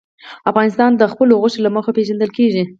افغانستان د خپلو غوښې له مخې پېژندل کېږي.